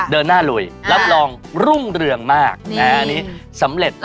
เดินหน้าลุยรับรองรุ่งเรืองมากสำเร็จมาก